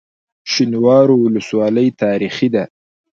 شینوارو ولسوالۍ تاریخي ده؟